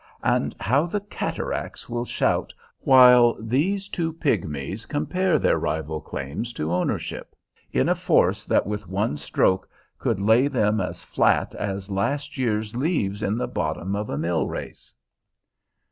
And how the cataracts will shout while these two pigmies compare their rival claims to ownership in a force that with one stroke could lay them as flat as last year's leaves in the bottom of a mill race!